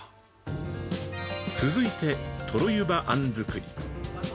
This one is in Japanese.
続いて、とろ湯葉あん作り。